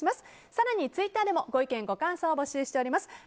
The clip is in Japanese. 更に、ツイッターでもご意見、ご感想を募集しています。